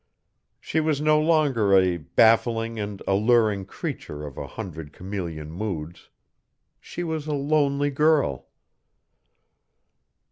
She was no longer a baffling and alluring creature of a hundred chameleon moods; she was a lonely girl.